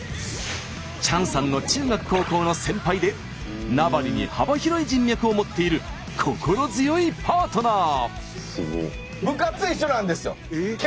チャンさんの中学高校の先輩で名張に幅広い人脈を持っている心強いパートナー！